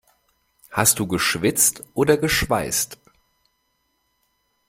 Hast du geschwitzt oder geschweißt?